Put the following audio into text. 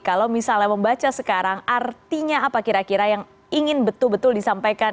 kalau misalnya membaca sekarang artinya apa kira kira yang ingin betul betul disampaikan